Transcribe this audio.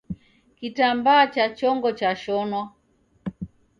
Kitambaa cha chongo chashonwa